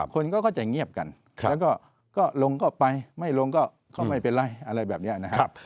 คนก็จะเงียบกันแล้วก็ลงก็ไปไม่ลงก็ไม่เป็นไรอะไรแบบนี้นะครับ